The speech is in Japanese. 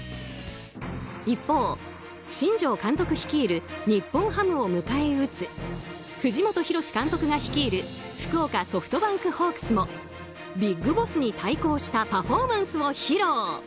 一方、新庄監督率いる日本ハムを迎え撃つ藤本博史監督が率いる福岡ソフトバンクホークスもＢＩＧＢＯＳＳに対抗したパフォーマンスを披露。